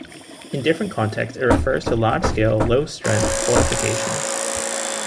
In different context it refers to large-scale, low-strength fortifications.